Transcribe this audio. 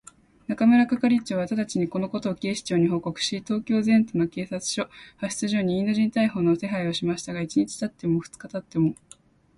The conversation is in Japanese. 中村係長はただちに、このことを警視庁に報告し、東京全都の警察署、派出所にインド人逮捕の手配をしましたが、一日たち二日たっても、